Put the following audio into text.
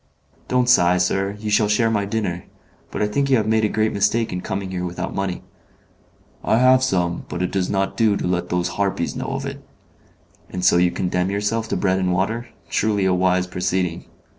"Don't sigh, sir, you shall share my dinner. But I think you have made a great mistake in coming here without money." "I have some, but it does not do to let those harpies know of it." "And so you condemn yourself to bread and water. Truly a wise proceeding!